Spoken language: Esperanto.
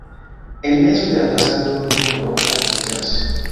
En mezo de la fasado turo altiĝas.